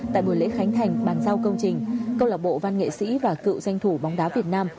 tại buổi lễ khánh thành bàn giao công trình công lọc bộ ban nghệ sĩ và cựu doanh thủ bóng đá việt nam